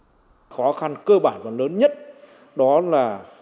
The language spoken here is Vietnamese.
một khó khăn cơ bản còn lớn nhất đó là